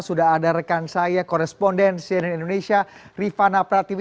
sudah ada rekan saya koresponden cnn indonesia rifana pratiwi